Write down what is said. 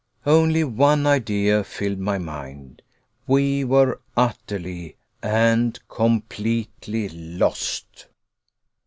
Only one idea filled my mind. We were utterly and completely lost!